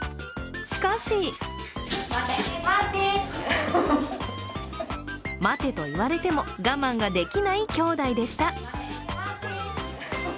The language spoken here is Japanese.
しかし待てと言われても我慢ができないきょうだいでした。